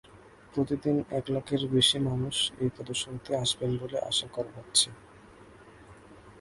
প্রতিদিন এক লাখের বেশি মানুষ এই প্রদর্শনীতে আসবেন বলে আশা করা হচ্ছে।